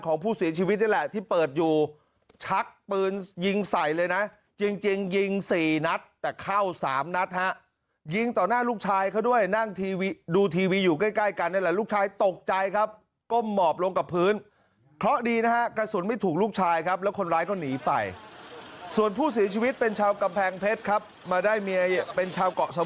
ของผู้เสียชีวิตนี่แหละที่เปิดอยู่ชักปืนยิงใส่เลยนะจริงยิงสี่นัดแต่เข้าสามนัดฮะยิงต่อหน้าลูกชายเขาด้วยนั่งทีวีดูทีวีอยู่ใกล้ใกล้กันนี่แหละลูกชายตกใจครับก้มหมอบลงกับพื้นเพราะดีนะฮะกระสุนไม่ถูกลูกชายครับแล้วคนร้ายก็หนีไปส่วนผู้เสียชีวิตเป็นชาวกำแพงเพชรครับมาได้เมียเป็นชาวเกาะส